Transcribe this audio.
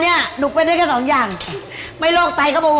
นี่เรื่องจริงเอยไม่ได้ตารก